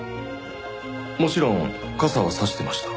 もちろん傘は差してました。